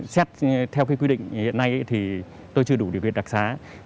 xét theo cái quy định hiện nay thì tôi chưa đủ điều kiện đặc xá